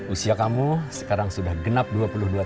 usia kamu sekarang sudah genap dua puluh dua tahun